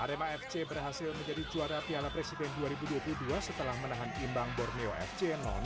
arema fc berhasil menjadi juara piala presiden dua ribu dua puluh dua setelah menahan imbang borneo fc satu